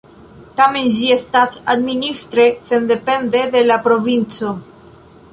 Tamen ĝi estas administre sendepende de la provinco.